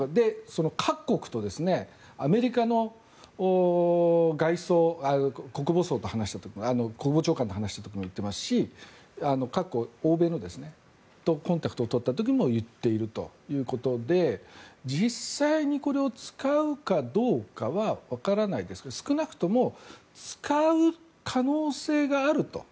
その各国とアメリカの国防長官と話した時も言っていますし各欧米とコンタクトを取った時にも言っているということで実際にこれを使うかどうかは分からないですが少なくとも使う可能性があると。